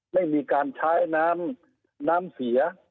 ไม่มีการใช้น้ำเสีย